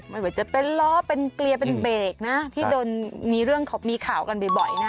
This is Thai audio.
ไม่ว่าจะเป็นล้อเป็นเกลียเป็นเบรกนะที่โดนมีเรื่องมีข่าวกันบ่อยนะ